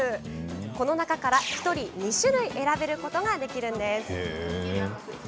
この中から１人２種類選ぶことができるんです。